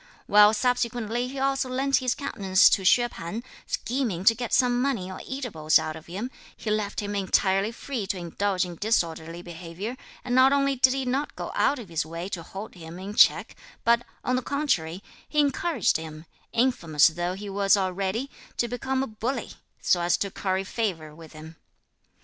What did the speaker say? While subsequently he also lent his countenance to Hsüeh P'an, scheming to get some money or eatables out of him, he left him entirely free to indulge in disorderly behaviour; and not only did he not go out of his way to hold him in check, but, on the contrary, he encouraged him, infamous though he was already, to become a bully, so as to curry favour with him.